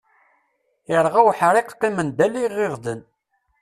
Irɣa uḥriq qqimen-d ala iɣiɣden.